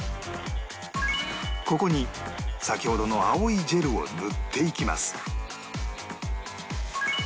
ここに先ほどの青いジェルを塗っていきます